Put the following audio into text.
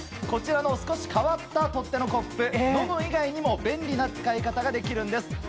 こちらの少し変わった取っ手のコップ、飲む意外にも便利な使い方ができるんです。